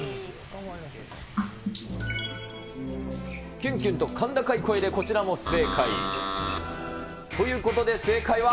きゅんきゅんと甲高い声でこちらも不正解。ということで正解は。